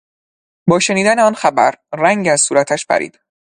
با شنیدن آن خبر، رنگ از صورتش پرید.